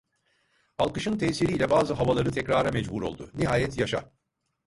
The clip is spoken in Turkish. Alkışın tesiriyle bazı havaları tekrara mecbur oldu, nihayet "Yaşa!"